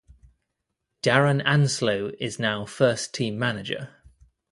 Darren Anslow is now first team manager.